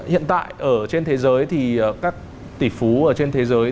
hiện tại ở trên thế giới thì các tỷ phú trên thế giới